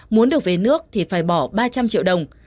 muốn được về nước thì phải bỏ ba trăm linh triệu đồng